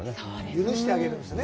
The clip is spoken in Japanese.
許してあげるんですね。